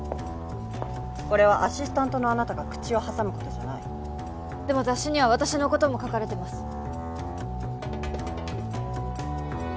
これはアシスタントのあなたが口を挟むことじゃないでも雑誌には私のことも書かれてます